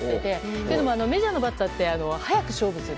というのもメジャーのバッターって早く勝負する。